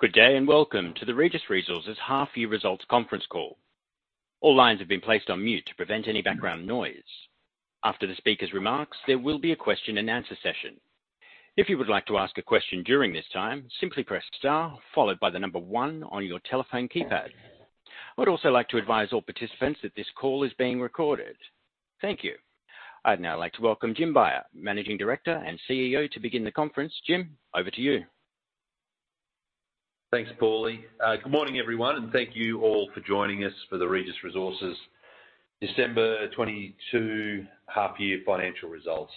Good day, welcome to the Regis Resources half year results conference call. All lines have been placed on mute to prevent any background noise. After the speaker's remarks, there will be a question and answer session. If you would like to ask a question during this time, simply press star followed by the number one on your telephone keypad. I would also like to advise all participants that this call is being recorded. Thank you. I'd now like to welcome Jim Beyer, Managing Director and CEO, to begin the conference. Jim, over to you. Thanks, Pauly. Good morning, everyone. Thank you all for joining us for the Regis Resources December 2022 half year financial results.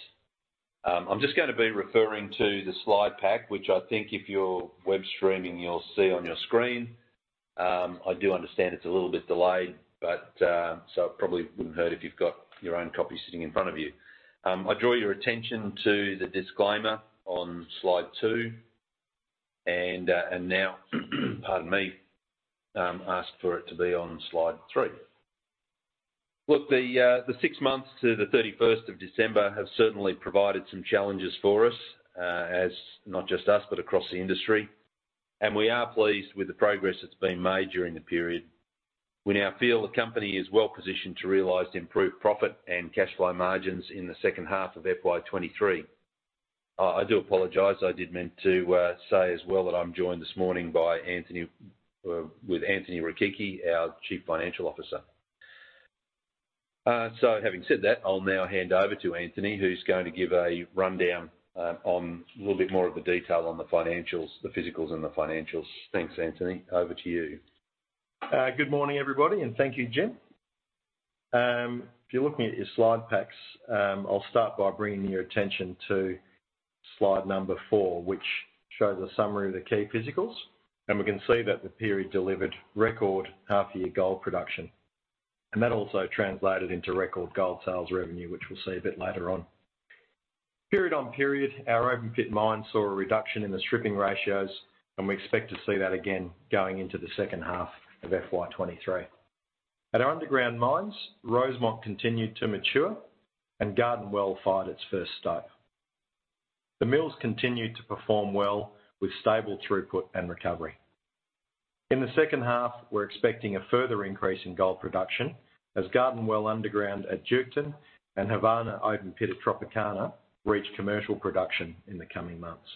I'm just gonna be referring to the slide pack, which I think if you're web streaming, you'll see on your screen. I do understand it's a little bit delayed, but so it probably wouldn't hurt if you've got your own copy sitting in front of you. I draw your attention to the disclaimer on Slide two. Now, pardon me, ask for it to be on Slide three. Look, the six months to the 31st of December have certainly provided some challenges for us, as not just us, but across the industry, and we are pleased with the progress that's been made during the period. We now feel the company is well-positioned to realize improved profit and cash flow margins in the second half of FY 2023. I do apologize. I did meant to say as well that I'm joined this morning by Anthony, or with Anthony Rechichi, our Chief Financial Officer. Having said that, I'll now hand over to Anthony, who's going to give a rundown on a little bit more of the detail on the financials, the physicals and the financials. Thanks, Anthony. Over to you. Good morning, everybody, thank you, Jim. If you're looking at your slide packs, I'll start by bringing your attention to Slide number four, which shows a summary of the key physicals, and we can see that the period delivered record half-year gold production. That also translated into record gold sales revenue, which we'll see a bit later on. Period on period, our open pit mines saw a reduction in the stripping ratios, and we expect to see that again going into the second half of FY 2023. At our underground mines, Rosemont continued to mature and Garden Well fired its first stope. The mills continued to perform well with stable throughput and recovery. In the second half, we're expecting a further increase in gold production as Garden Well underground at Duketon and Havana open pit at Tropicana reach commercial production in the coming months.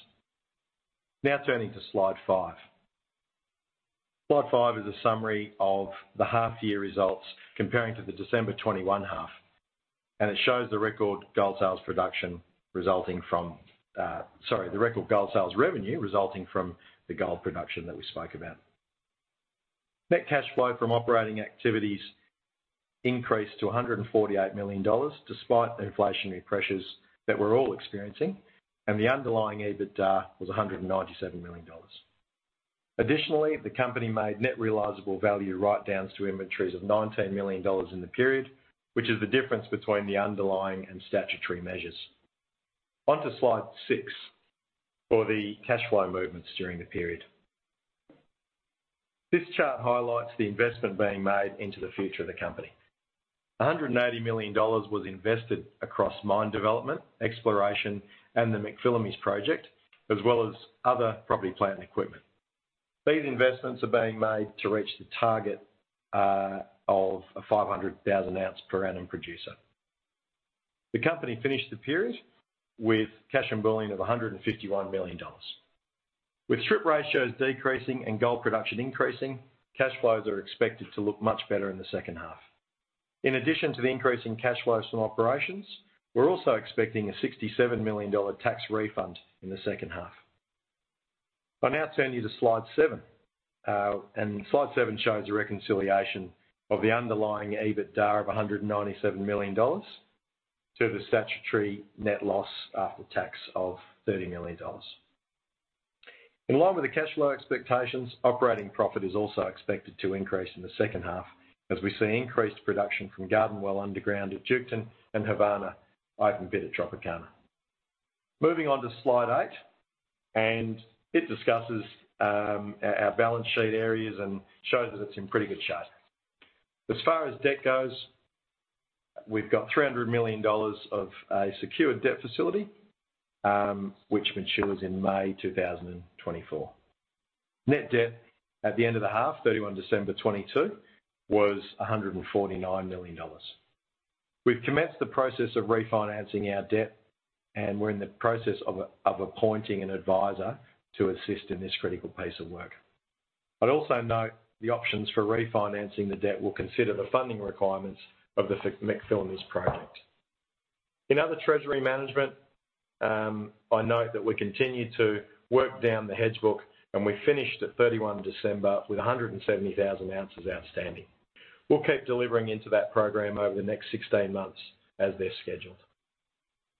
Now turning to Slide five. Slide five is a summary of the half year results comparing to the December 2021 half. It shows the record gold sales production resulting from, sorry, the record gold sales revenue resulting from the gold production that we spoke about. Net cash flow from operating activities increased to 148 million dollars despite the inflationary pressures that we're all experiencing. The underlying EBITDA was 197 million dollars. Additionally, the company made net realisable value write-downs to inventories of 19 million dollars in the period, which is the difference between the underlying and statutory measures. Onto Slide six for the cash flow movements during the period. This chart highlights the investment being made into the future of the company. 180 million dollars was invested across mine development, exploration, and the McPhillamys project, as well as other property, plant, and equipment. These investments are being made to reach the target of a 500,000 oz per annum producer. The company finished the period with cash and bullion of 151 million dollars. With stripping ratios decreasing and gold production increasing, cash flows are expected to look much better in the second half. In addition to the increase in cash flows from operations, we're also expecting a 67 million dollar tax refund in the second half. I'll now turn you to Slide seven. Slide seven shows a reconciliation of the underlying EBITDA of 197 million dollars to the statutory net loss after tax of 30 million dollars. In line with the cash flow expectations, operating profit is also expected to increase in the second half as we see increased production from Garden Well underground at Duketon and Havana open pit at Tropicana. Moving on to Slide eight, it discusses our balance sheet areas and shows that it's in pretty good shape. As far as debt goes, we've got 300 million dollars of a secured debt facility, which matures in May 2024. Net debt at the end of the half, 31 December 2022, was 149 million dollars. We've commenced the process of refinancing our debt, and we're in the process of appointing an advisor to assist in this critical piece of work. I'd also note the options for refinancing the debt will consider the funding requirements of the McPhillamys project. In other treasury management, I note that we continue to work down the hedge book. We finished at 31 December with 170,000 oz outstanding. We'll keep delivering into that program over the next 16 months as they're scheduled.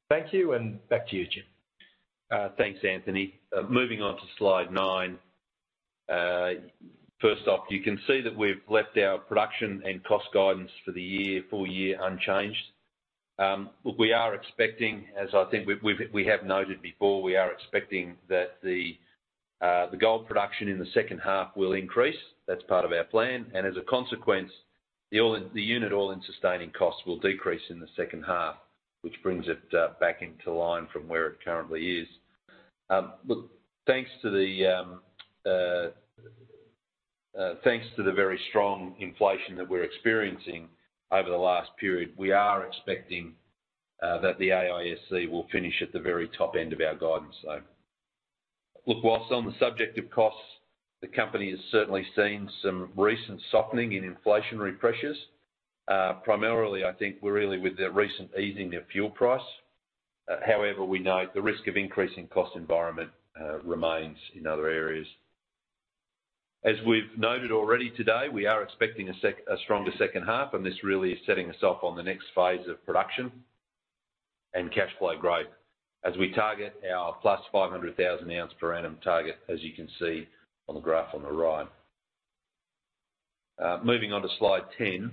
Thank you. Back to you, Jim. Thanks, Anthony. Moving on to Slide nine. First off, you can see that we've left our production and cost guidance for the year, full year unchanged. What we are expecting, as I think we have noted before, we are expecting that the gold production in the second half will increase. That's part of our plan. As a consequence, the unit all-in sustaining costs will decrease in the second half, which brings it back into line from where it currently is. Look, thanks to the very strong inflation that we're experiencing over the last period, we are expecting that the AISC will finish at the very top end of our guidance. Look, whilst on the subject of costs, the company has certainly seen some recent softening in inflationary pressures. Primarily, I think we're really with the recent easing of fuel price. However, we note the risk of increasing cost environment remains in other areas. As we've noted already today, we are expecting a stronger second half, and this really is setting us up on the next phase of production and cash flow growth as we target our +500,000 oz per annum target, as you can see on the graph on the right. Moving on to Slide 10.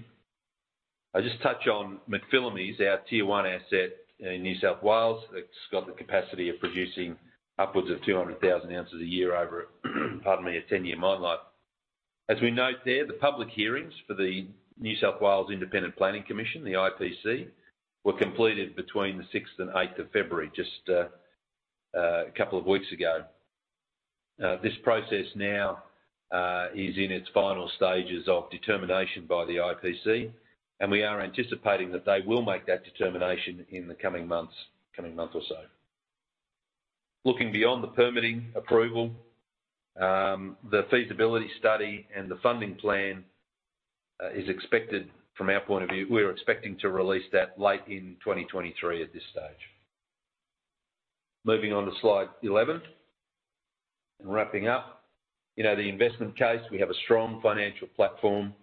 I'll just touch on McPhillamys, our tier one asset in New South Wales. It's got the capacity of producing upwards of 200,000 oz a year over, pardon me, a 10-year mine life. As we note there, the public hearings for the New South Wales Independent Planning Commission, the IPC, were completed between the sixth and eighth of February, just a couple of weeks ago. This process now is in its final stages of determination by the IPC, and we are anticipating that they will make that determination in the coming month or so. Looking beyond the permitting approval, the feasibility study and the funding plan is expected from our point of view, we're expecting to release that late in 2023 at this stage. Moving on to Slide 11. Wrapping up. You know, the investment case, we have a strong financial platform.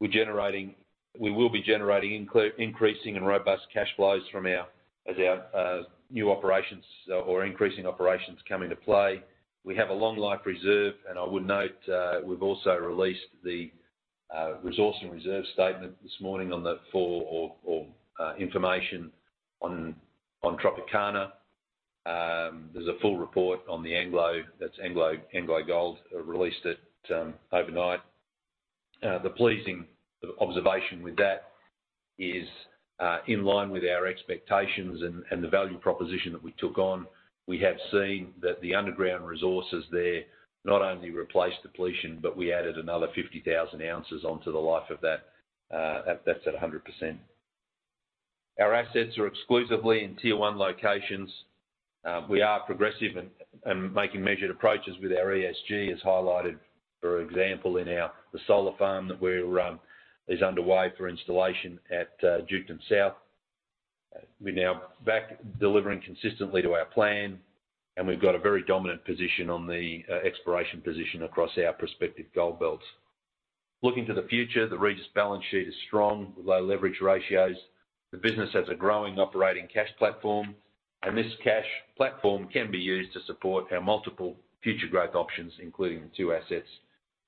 We will be generating increasing and robust cash flows from our, as our new operations or increasing operations come into play. We have a long life reserve, and I would note, we've also released the resource and reserve statement this morning on the information on Tropicana. There's a full report on the AngloGold released it overnight. The pleasing observation with that is in line with our expectations and the value proposition that we took on. We have seen that the underground resources there not only replace depletion, but we added another 50,000 oz onto the life of that. That's at a 100%. Our assets are exclusively in tier one locations. We are progressive and making measured approaches with our ESG, as highlighted, for example, in the solar farm that we're is underway for installation at Duketon South. We're now back delivering consistently to our plan, and we've got a very dominant position on the exploration position across our prospective gold belts. Looking to the future, the Regis balance sheet is strong with low leverage ratios. The business has a growing operating cash platform, and this cash platform can be used to support our multiple future growth options, including the two assets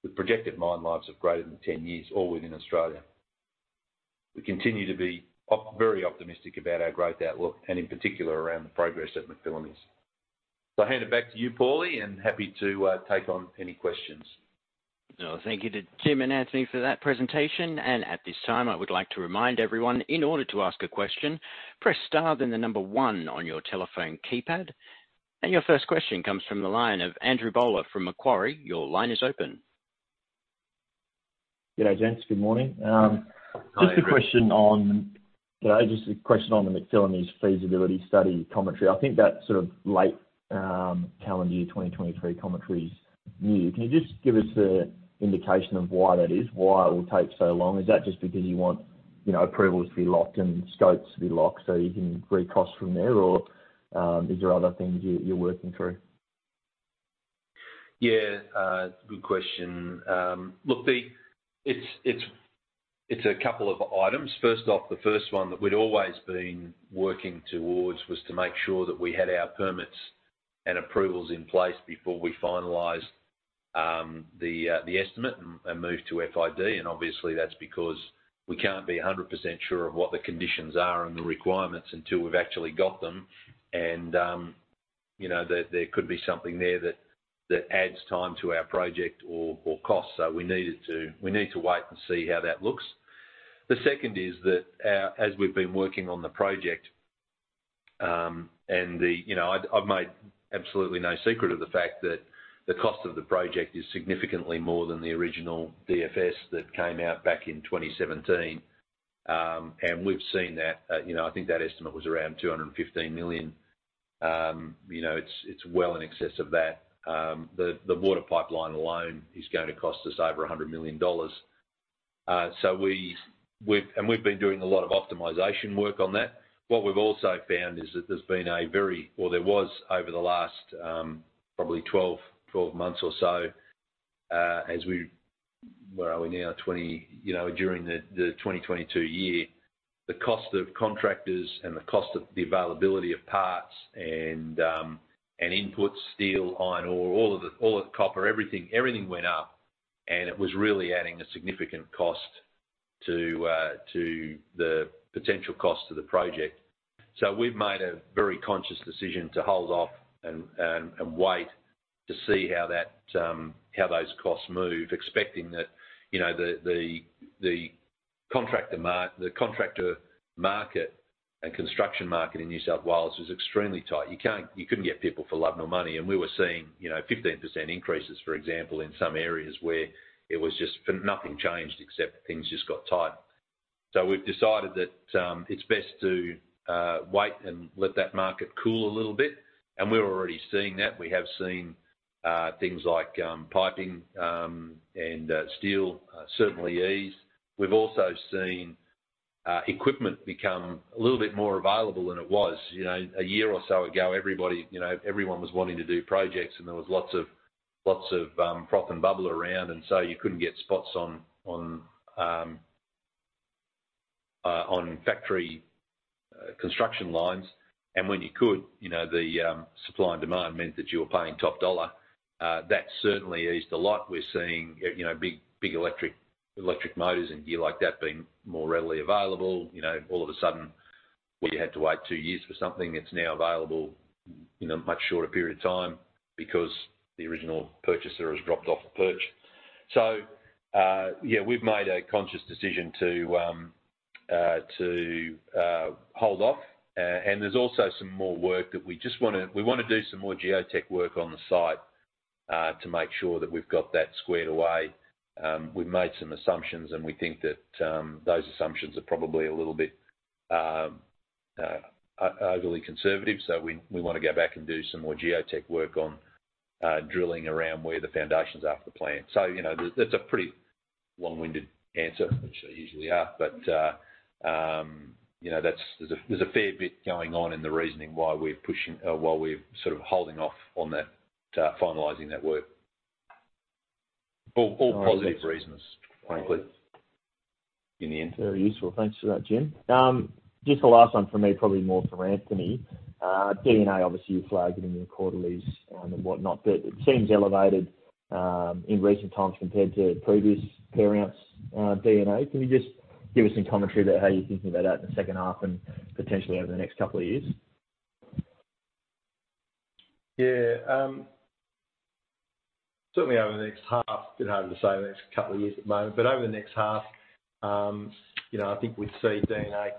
with projected mine lives of greater than 10 years, all within Australia. We continue to be very optimistic about our growth outlook, and in particular around the progress at McPhillamys. I hand it back to you, Pauly, and happy to take on any questions. Thank you to Jim and Anthony for that presentation. At this time, I would like to remind everyone, in order to ask a question, press star then number one on your telephone keypad. Your first question comes from the line of Andrew Bowler from Macquarie. Your line is open. G'day, gents. Good morning. Hi Andrew. Just a question on, you know, just a question on the McPhillamys feasibility study commentary. I think that's sort of late calendar year 2023 commentary is new. Can you just give us a indication of why that is? Why it will take so long? Is that just because you want, you know, approvals to be locked and scopes to be locked so you can read costs from there? Is there other things you're working through? Yeah, it's a good question. Look, it's a couple of items. First off, the first one that we'd always been working towards was to make sure that we had our permits and approvals in place before we finalized the estimate and moved to FID. Obviously that's because we can't be 100% sure of what the conditions are and the requirements until we've actually got them. You know, there could be something there that adds time to our project or cost. We need to wait and see how that looks. The second is that our, as we've been working on the project, you know, I'd, I've made absolutely no secret of the fact that the cost of the project is significantly more than the original DFS that came out back in 2017. You know, I think that estimate was around 215 million. You know, it's well in excess of that. The water pipeline alone is gonna cost us over 100 million dollars. We've been doing a lot of optimization work on that. What we've also found is that there's been a very... or there was over the last, probably 12 months or so. Well, we're now, you know, during the 2022 year, the cost of contractors and the cost of the availability of parts and input steel, iron ore, all of the copper, everything went up, and it was really adding a significant cost to the potential cost of the project. We've made a very conscious decision to hold off and wait to see how that, how those costs move, expecting that, you know, the contractor market and construction market in New South Wales is extremely tight. You can't, you couldn't get people for love nor money, we were seeing, you know, 15% increases, for example, in some areas where it was just nothing changed except things just got tight. We've decided that it's best to wait and let that market cool a little bit, we're already seeing that. We have seen things like piping and steel certainly ease. We've also seen equipment become a little bit more available than it was. You know, a year or so ago, everybody, you know, everyone was wanting to do projects, there was lots of froth and bubble around, you couldn't get spots on on factory construction lines. When you could, you know, the supply and demand meant that you were paying top dollar. That certainly eased a lot. We're seeing, you know, big electric motors and gear like that being more readily available. You know, all of a sudden, where you had to wait two years for something, it's now available in a much shorter period of time because the original purchaser has dropped off the perch. Yeah, we've made a conscious decision to hold off. There's also some more work that we just wanna do some more geotech work on the site to make sure that we've got that squared away. We've made some assumptions, and we think that those assumptions are probably a little bit overly conservative, we wanna go back and do some more geotech work on drilling around where the foundations are for the plant. you know, that's a pretty long-winded answer, which I usually are, but, you know, there's a, there's a fair bit going on in the reasoning why we're pushing, or why we're sort of holding off on that, finalizing that work. All, all positive reasons, frankly. Very useful. Thanks for that, Jim. Just a last one from me, probably more for Anthony. D&A, obviously, you flagged it in your quarterlies and whatnot, but it seems elevated in recent times compared to previous P&E D&A. Can you just give us some commentary about how you're thinking about that in the second half and potentially over the next couple of years? Yeah. Certainly over the next half, a bit harder to say the next couple of years at the moment, but over the next half, you know, I think we'd see D&A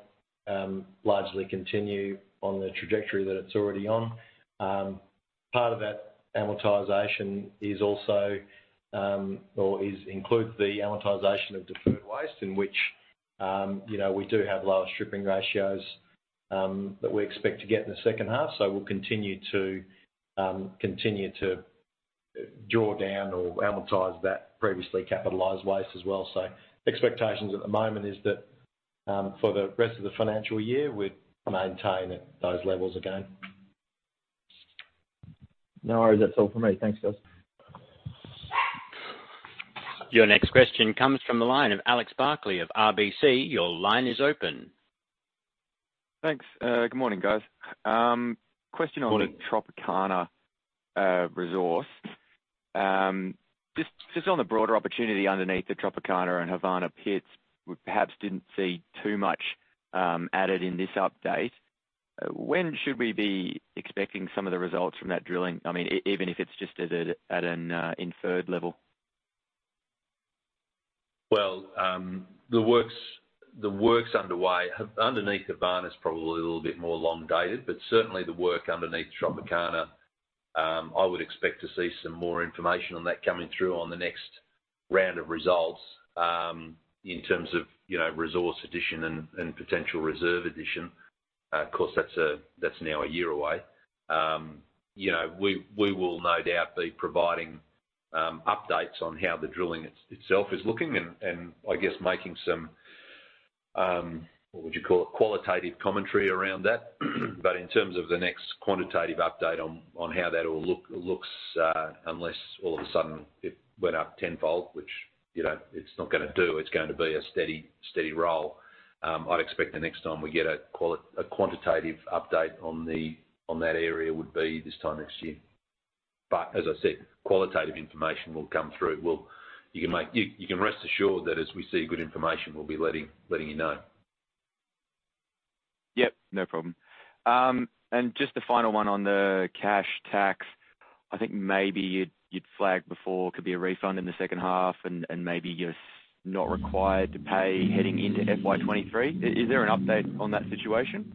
largely continue on the trajectory that it's already on. Part of that amortization is also, or is include the amortization of deferred stripping, in which, you know, we do have lower stripping ratios that we expect to get in the second half. We'll continue to draw down or amortize that previously capitalized waste as well. Expectations at the moment is that for the rest of the financial year, we'd maintain at those levels again. No worries. That's all from me. Thanks, guys. Your next question comes from the line of Alex Barkley of RBC. Your line is open. Thanks. Good morning, guys. Good morning. on the Tropicana resource. Just on the broader opportunity underneath the Tropicana and Havana pits, we perhaps didn't see too much added in this update. When should we be expecting some of the results from that drilling? I mean, even if it's just at an inferred level. Well, the work's underway. Underneath Havana is probably a little bit more elongated, but certainly the work underneath Tropicana, I would expect to see some more information on that coming through on the next round of results, in terms of, you know, resource addition and potential reserve addition. Of course, that's now a year away. You know, we will no doubt be providing updates on how the drilling itself is looking and I guess making some, what would you call it? Qualitative commentary around that. In terms of the next quantitative update on how that all looks, unless all of a sudden it went up tenfold, which, you know, it's not gonna do. It's going to be a steady roll. I'd expect the next time we get a quantitative update on the, on that area would be this time next year. As I said, qualitative information will come through. You can make, you can rest assured that as we see good information, we'll be letting you know. Yep, no problem. Just a final one on the cash tax. I think maybe you'd flagged before could be a refund in the second half and maybe you're not required to pay heading into FY 2023. Is there an update on that situation?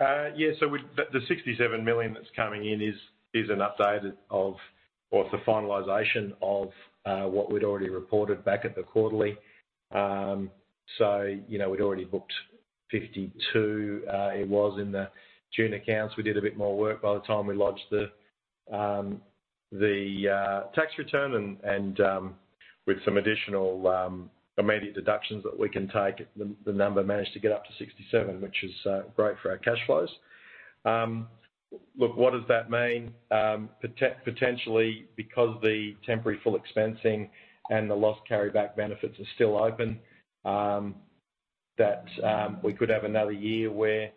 Yeah. The 67 million that's coming in is an update of the finalization of what we'd already reported back at the quarterly. You know, we'd already booked 52 million, it was in the June accounts. We did a bit more work by the time we lodged the tax return and with some additional immediate deductions that we can take, the number managed to get up to 67 million, which is great for our cash flows. Look, what does that mean? Potentially, because the temporary full expensing and the Loss carry-back benefits are still open, that we could have another year where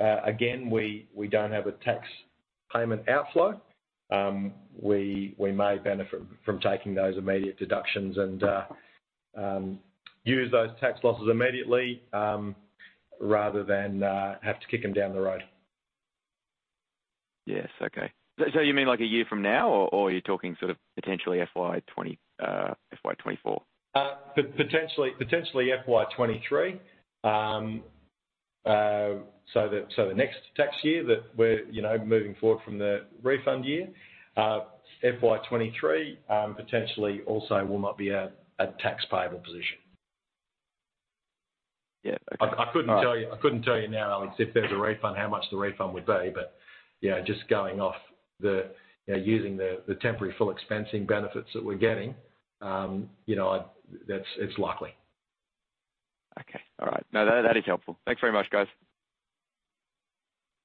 again, we don't have a tax Payment outflow. We may benefit from taking those immediate deductions and use those tax losses immediately rather than have to kick them down the road. Yes. Okay. You mean like a year from now, or are you talking sort of potentially FY 2020, FY 2024? potentially FY 2023. The next tax year that we're, you know, moving forward from the refund year, FY 2023, potentially also will not be a tax payable position. Yeah. Okay. I couldn't tell you, I couldn't tell you now, Alex, if there's a refund, how much the refund would be, but yeah, just going off the, you know, using the Temporary full expensing benefits that we're getting, you know, that's, it's likely. Okay. All right. No, that is helpful. Thanks very much, guys.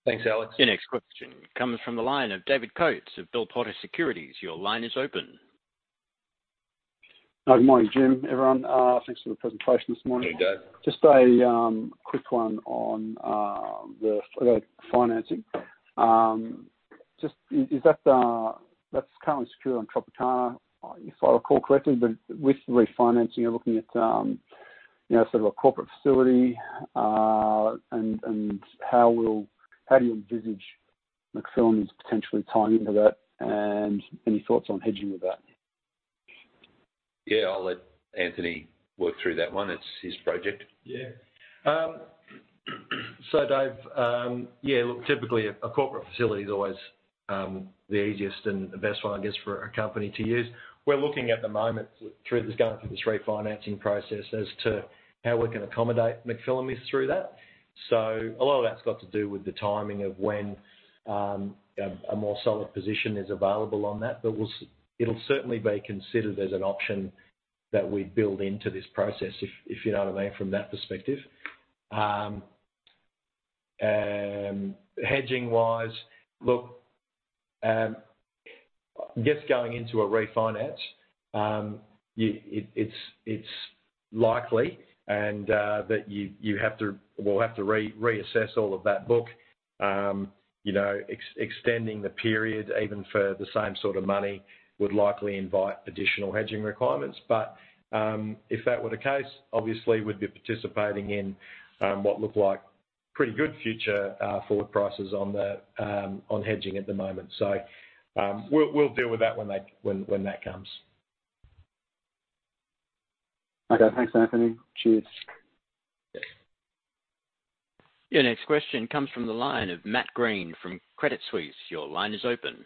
Thanks, Alex. Your next question comes from the line of David Coates of Bell Potter Securities. Your line is open. Good morning, Jim, everyone. Thanks for the presentation this morning. Hey, Dave. Just a quick one on the financing. Just is that's currently secure on Tropicana, if I recall correctly, but with the refinancing, you're looking at, you know, sort of a corporate facility, and how do you envisage McPhillamys potentially tying into that? Any thoughts on hedging with that? Yeah, I'll let Anthony work through that one. It's his project. Yeah. Dave, yeah, look, typically a corporate facility is always the easiest and the best one, I guess, for a company to use. We're looking at the moment through this, going through this refinancing process as to how we can accommodate McPhillamys through that. A lot of that's got to do with the timing of when a more solid position is available on that. It'll certainly be considered as an option that we build into this process, if you know what I mean, from that perspective. Hedging-wise, look, I guess going into a refinance, you, it's likely that you have to, we'll have to reassess all of that book. You know, extending the period even for the same sort of money would likely invite additional hedging requirements. If that were the case, obviously we'd be participating in, what look like pretty good future, forward prices on the, on hedging at the moment. We'll deal with that when that comes. Okay. Thanks, Anthony. Cheers. Yeah. Your next question comes from the line of Matt Greene from Credit Suisse. Your line is open.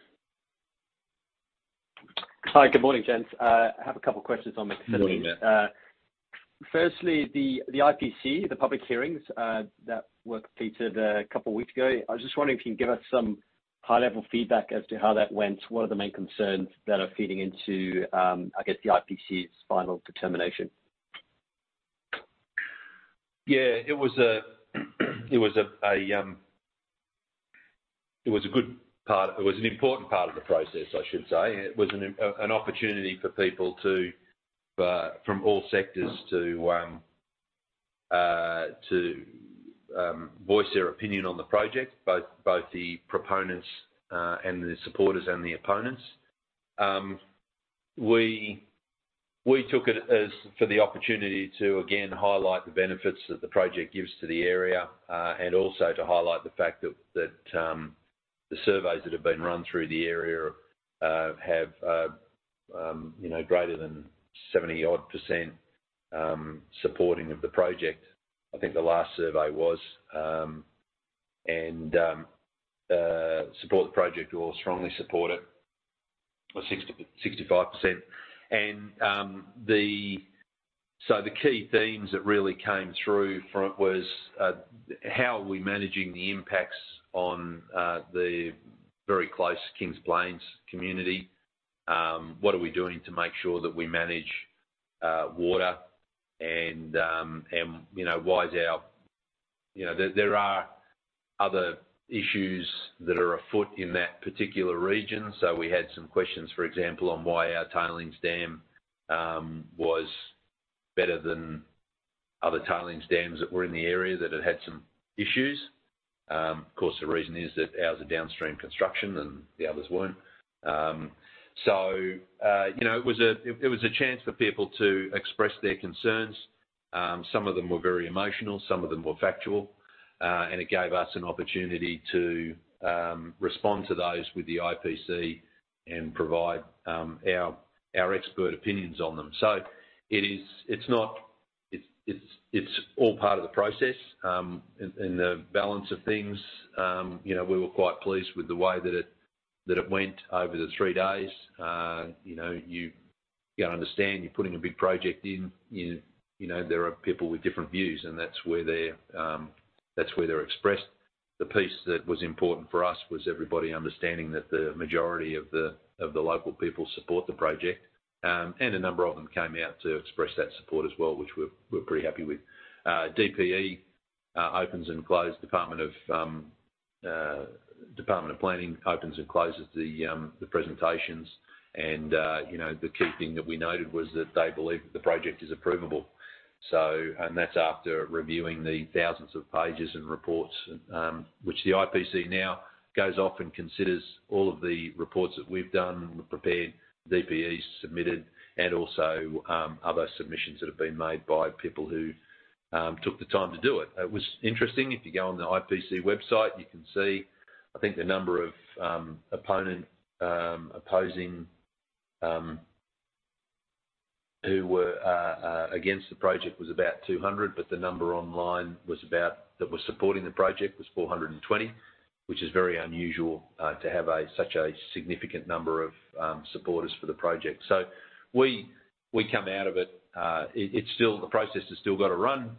Hi. Good morning, gents. I have a couple questions on McPhillamys. Good morning, Matt. Firstly, the IPC, the public hearings, that were completed a couple of weeks ago, I was just wondering if you can give us some high-level feedback as to how that went? What are the main concerns that are feeding into, I guess, the IPC's final determination? Yeah. It was a good part, it was an important part of the process, I should say. It was an opportunity for people to, from all sectors to voice their opinion on the project, both the proponents, and the supporters and the opponents. We took it as for the opportunity to again, highlight the benefits that the project gives to the area, and also to highlight the fact that, the surveys that have been run through the area, have, you know, greater than 70% odd, supporting of the project. I think the last survey was, and, support the project or strongly support it was 60%-65%. The key themes that really came through from it was how are we managing the impacts on the very close Kings Plains community? What are we doing to make sure that we manage water and, you know. You know, there are other issues that are afoot in that particular region. We had some questions, for example, on why our tailings dam was better than other tailings dams that were in the area that had some issues. Of course, the reason is that ours are downstream construction and the others weren't. So, you know, it was a chance for people to express their concerns. Some of them were very emotional, some of them were factual. It gave us an opportunity to respond to those with the IPC and provide our expert opinions on them. It is, it's not, it's all part of the process. The balance of things, you know, we were quite pleased with the way that it, that it went over the three days. You know, you understand you're putting a big project in, you know, there are people with different views, and that's where they're expressed. The piece that was important for us was everybody understanding that the majority of the local people support the project. A number of them came out to express that support as well, which we're pretty happy with. DPE opens and close, Department of Planning opens and closes the presentations. You know, the key thing that we noted was that they believe that the project is approvable. So, that's after reviewing the thousands of pages and reports, which the IPC now goes off and considers all of the reports that we've done, we've prepared, DPEs submitted, and also, other submissions that have been made by people who took the time to do it. It was interesting. If you go on the IPC website, you can see, I think the number of, opponent, opposing... who were against the project was about 200, but the number online was about, that was supporting the project was 420, which is very unusual to have a, such a significant number of supporters for the project. We, we come out of it. It's still, the process has still gotta run.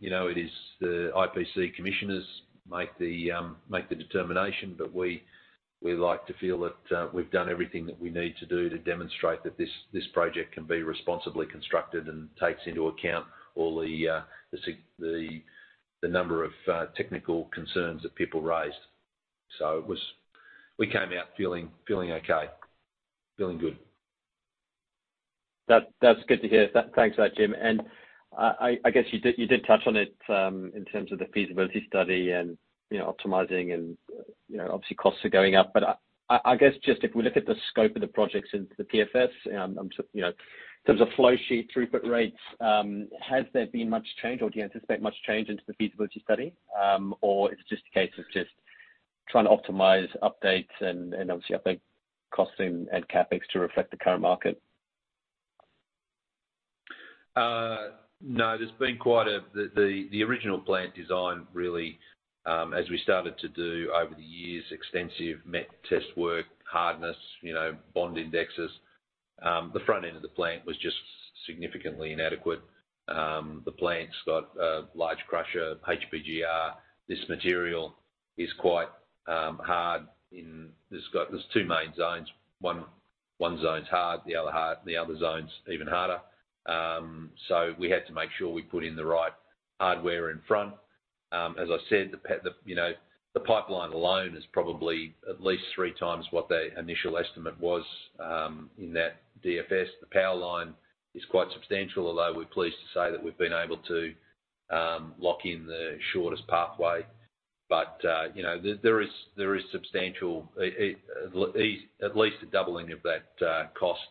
You know, it is the IPC commissioners make the determination. We, we like to feel that we've done everything that we need to do to demonstrate that this project can be responsibly constructed and takes into account all the number of technical concerns that people raised. We came out feeling okay. Feeling good. That's good to hear. Thanks for that, Jim. I guess you did touch on it, in terms of the feasibility study and, you know, optimizing and, you know, obviously costs are going up. I guess just if we look at the scope of the projects into the PFS, so, you know, in terms of flow sheet, throughput rates, has there been much change or do you anticipate much change into the feasibility study? Is it just a case of just trying to optimize updates and obviously update costs and CapEx to reflect the current market? No, there's been quite a... The original plant design, really, as we started to do over the years, extensive met test work, hardness, you know, bond indexes, the front end of the plant was just significantly inadequate. The plant's got a large crusher, HPGR. This material is quite hard, there's two main zones. One zone's hard, the other zone's even harder. We had to make sure we put in the right hardware in front. As I said, you know, the pipeline alone is probably at least three times what the initial estimate was in that DFS. The power line is quite substantial, although we're pleased to say that we've been able to lock in the shortest pathway. You know, there is substantial, at least a doubling of that cost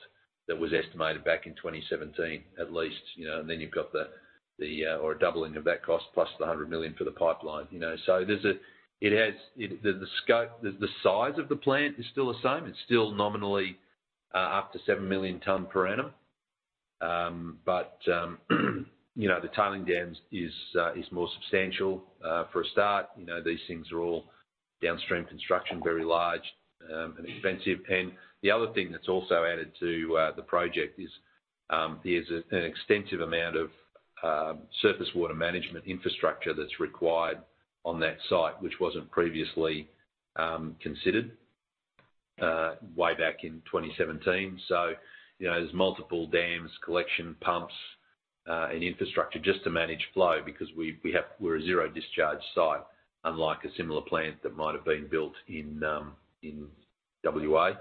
that was estimated back in 2017, at least. You know, you've got the, or a doubling of that cost plus the 100 million for the pipeline, you know. The scope, the size of the plant is still the same. It's still nominally up to 7 million tons per annum. You know, the tailing dams is more substantial for a start. You know, these things are all downstream construction, very large, and expensive. The other thing that's also added to the project is an extensive amount of surface water management infrastructure that's required on that site, which wasn't previously considered way back in 2017. You know, there's multiple dams, collection pumps, and infrastructure just to manage flow because we're a zero discharge site, unlike a similar plant that might have been built in WA.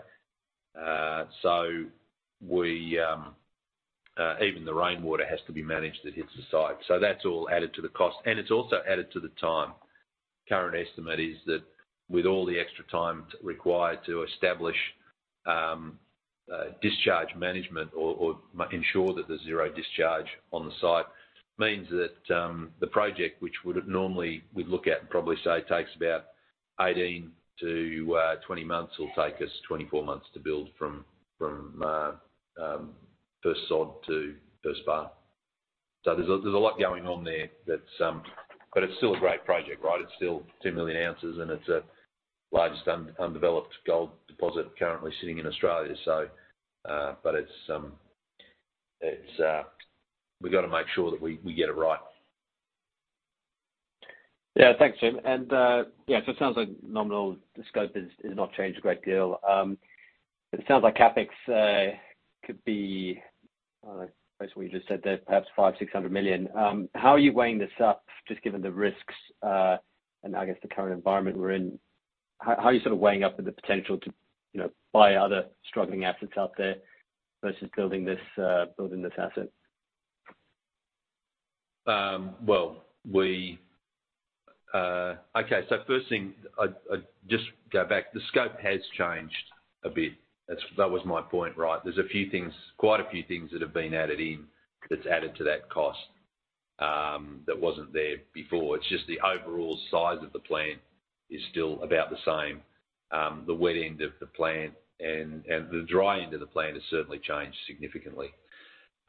Even the rainwater has to be managed that hits the site. That's all added to the cost, and it's also added to the time. Current estimate is that with all the extra time required to establish, discharge management or ensure that there's zero discharge on the site, means that, the project, which would've normally we'd look at and probably say takes about 18-20 months, will take us 24 months to build from first sod to first bar. There's a, there's a lot going on there that's... But it's still a great project, right? It's still 2 million oz, and it's a large undeveloped gold deposit currently sitting in Australia. But it's, we've got to make sure that we get it right. Thanks, Jim. It sounds like nominal scope is not changed a great deal. It sounds like CapEx could be, based on what you just said there, perhaps 500 million-600 million. How are you weighing this up, just given the risks, and I guess the current environment we're in? How are you sort of weighing up with the potential to, you know, buy other struggling assets out there versus building this, building this asset? Well, we Okay. First thing, I just go back. The scope has changed a bit. That was my point, right? There's a few things, quite a few things that have been added in that's added to that cost that wasn't there before. It's just the overall size of the plant is still about the same. The wet end of the plant and the dry end of the plant has certainly changed significantly.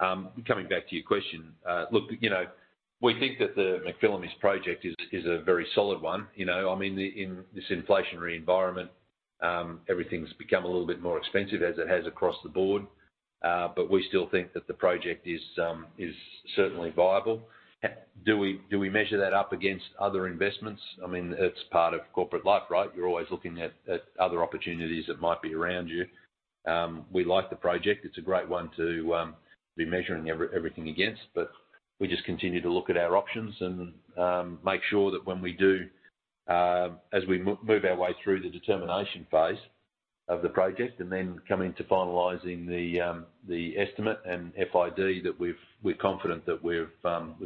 Coming back to your question. Look, you know, we think that the McPhillamys project is a very solid one. You know, I mean, in this inflationary environment, everything's become a little bit more expensive as it has across the board. We still think that the project is certainly viable. Do we measure that up against other investments? I mean, it's part of corporate life, right? You're always looking at other opportunities that might be around you. We like the project. It's a great one to be measuring everything against, but we just continue to look at our options and make sure that when we do, as we move our way through the determination phase of the project and then coming to finalizing the estimate and FID, that we're confident that we've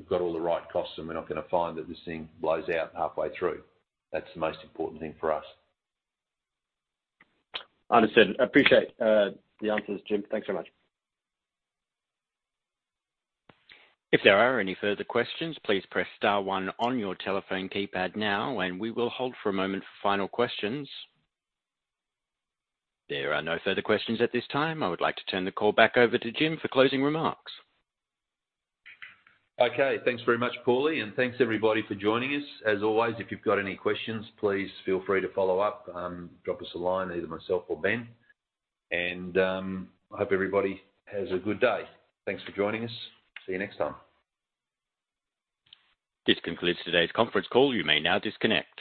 got all the right costs and we're not gonna find that this thing blows out halfway through. That's the most important thing for us. Understood. I appreciate the answers, Jim. Thanks so much. If there are any further questions, please press star one on your telephone keypad now, and we will hold for a moment for final questions. There are no further questions at this time. I would like to turn the call back over to Jim for closing remarks. Okay. Thanks very much, Pauly. Thanks everybody for joining us. As always, if you've got any questions, please feel free to follow up. Drop us a line, either myself or Ben. I hope everybody has a good day. Thanks for joining us. See you next time. This concludes today's conference call. You may now disconnect.